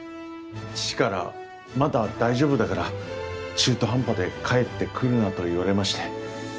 父から「まだ大丈夫だから中途半端で帰ってくるな」と言われまして。